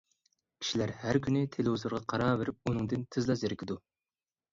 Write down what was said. كىشىلەر ھەر كۈنى تېلېۋىزورغا قاراۋېرىپ ئۇنىڭدىن تېزلا زېرىكىدۇ.